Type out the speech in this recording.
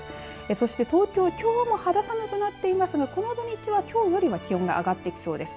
そして東京、きょうも肌寒くなっていますがこの土日はきょうよりは気温が上がってきそうです。